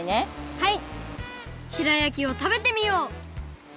はい。